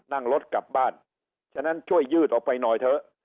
นั่งรถกลับบ้านฉะนั้นช่วยยืดออกไปหน่อยเถอะ